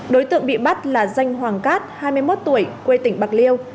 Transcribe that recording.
đối tượng bị bắt là danh hoàng cát hai mươi một tuổi quê tỉnh bạc liêu